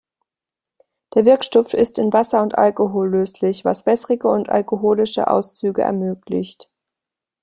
Der Wirkstoff ist in Wasser und Alkohol löslich, was wässrige und alkoholische Auszüge ermöglicht.